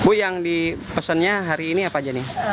bu yang dipesannya hari ini apa aja nih